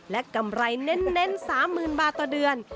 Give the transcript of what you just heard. และกำไรเน้น๓๐๐๐บาทต่อเดือน